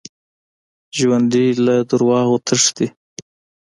ژوندي له دروغو تښتي